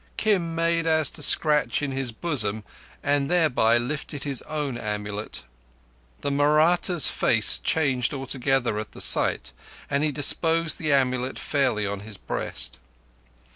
Kim made as to scratch in his bosom, and thereby lifted his own amulet. The Mahratta's face changed altogether at the sight, and he disposed the amulet fairly on his breast.